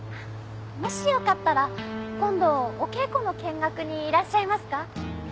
もしよかったら今度お稽古の見学にいらっしゃいますか？